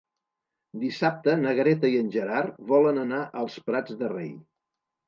Dissabte na Greta i en Gerard volen anar als Prats de Rei.